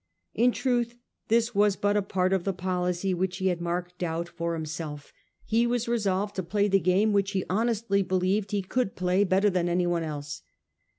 In truth this was but a part of. the policy which he had marked out for 1838. ARBITRARY BENEFICENCE. 71 himself. He was resolved to play the game which he honestly believed he could play better than anyone else.